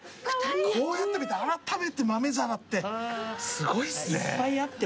こうやって見るとあらためて豆皿ってすごいっすね。